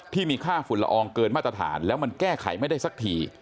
ที่มีค่าฝุ่นละอองเกินมาตรฐานแล้วมันแก้ไขไม่ได้สักที